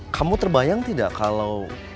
kamu terbayang tidak kalau